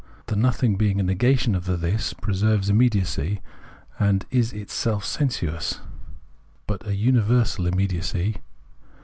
The nothing being a negation of the This, preserves immediacy and is itself sensuous, but a universal immediacy.